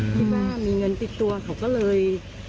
ที่ว่ามีเงินติดตัวเขาก็เลย